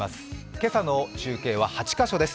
今朝の中継は８カ所です。